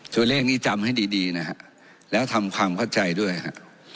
ตัวเลขนี้จำให้ดีดีนะฮะแล้วทำความเข้าใจด้วยฮะ